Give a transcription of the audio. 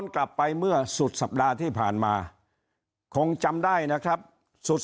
เขาบอกเอ๊ะหน้าคุ้น